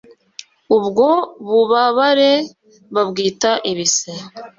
ubwo bubabare babwita ibise